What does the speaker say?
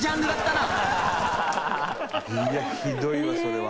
いやひどいわそれは。